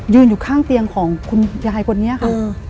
อยู่ข้างเตียงของคุณยายคนนี้ค่ะ